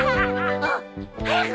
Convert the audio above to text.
あっ早く！